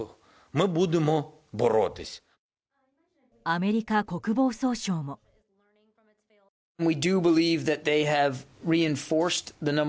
アメリカ国防総省も。